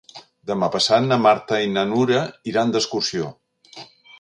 Demà passat na Marta i na Nura iran d'excursió.